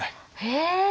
へえ！